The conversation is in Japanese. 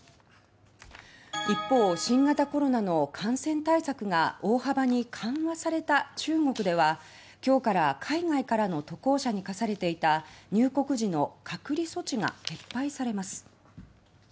一方、新型コロナの感染対策が大幅に緩和された中国では今日から海外からの渡航者に課されていた入国時の隔離措置が撤廃されます。